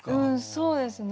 そうですね。